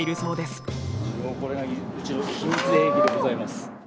一応これがうちの秘密兵器でございます。